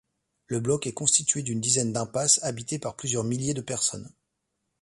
Le bloc est constitué d’une dizaine d’impasses habitées par plusieurs milliers de personnes.